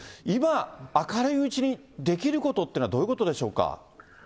今、明るいうちにできることっていうのは、どういうことでしょうか？